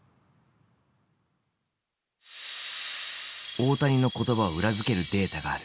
大谷の言葉を裏付けるデータがある。